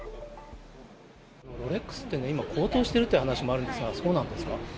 ロレックスっていうのは今、高騰してるって話もあるんですが、そうなんですか？